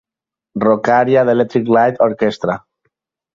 Rockaria d'Electric Light Orchestra!